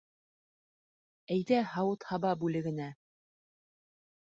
Әйҙә һауыт-һаба бүлегенә!